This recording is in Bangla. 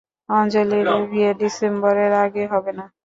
অঞ্জলির বিয়ে ডিসেম্বরের আগে হবে না।